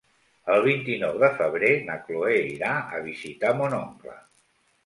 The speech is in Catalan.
El vint-i-nou de febrer na Cloè irà a visitar mon oncle.